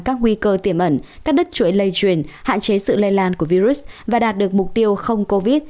các nguy cơ tiềm ẩn cắt đứt chuỗi lây truyền hạn chế sự lây lan của virus và đạt được mục tiêu không covid